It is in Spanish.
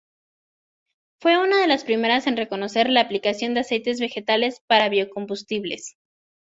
Fue una de las primeras en reconocer la aplicación de aceites vegetales para biocombustibles.